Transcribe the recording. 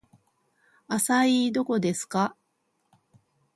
アサイーどこですか